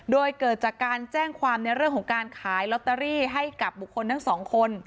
โดยเกิดจากการแจ้งความในเรื่องของการขายลอตเตอรี่ให้กับบุคคลทั้งสองคน